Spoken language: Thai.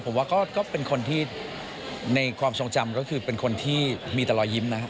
ผมว่าก็เป็นคนที่ในความทรงจำก็คือเป็นคนที่มีแต่รอยยิ้มนะครับ